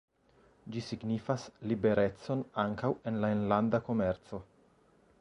Ĝi signifas liberecon ankaŭ en la enlanda komerco.